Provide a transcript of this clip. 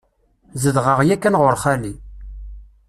Zedɣeɣ yakan ɣur xali.